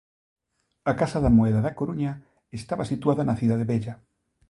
A Casa da Moeda da Coruña estaba situada na Cidade Vella.